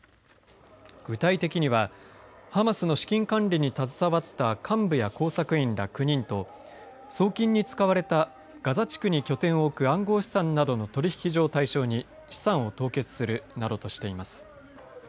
具体的にはハマスの資金管理に携わった幹部や工作員ら９人と送金に使われたガザ地区に拠点を置く暗号資産などの取引所を対象に資産を凍結するなどとしています。